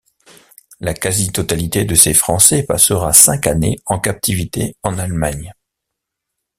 La quasi-totalité de ces Français passera cinq années en captivité en Allemagne.